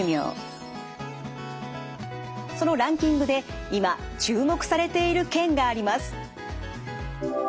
そのランキングで今注目されている県があります。